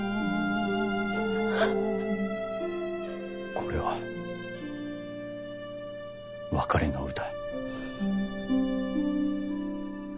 これは別れの歌。